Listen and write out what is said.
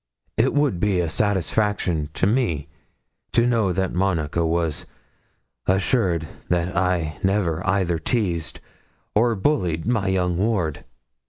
It would be a satisfaction to me to know that Monica was assured that I never either teased or bullied my young ward.'